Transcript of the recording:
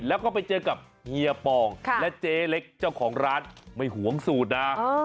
แล้วก็ไปเจอกับเฮียปองและเจ๊เล็กเจ้าของร้านไม่หวงสูตรนะ